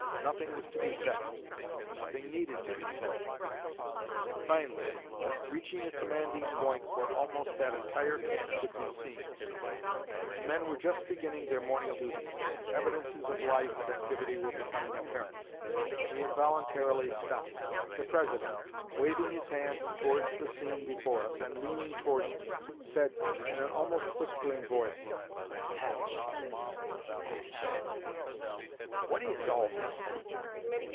Nothing was to be said, nothing needed to be said. Finally, reaching a commanding point where almost that entire camp could be seen the men were just beginning their morning duties, and evidences of life and activity were becoming apparent we involuntarily stopped. The President, waving his hand towards the scene before us, and leaning towards me, said in an almost whispering voice: 'Hatch Hatch, what is all this?'